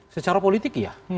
secara politik ya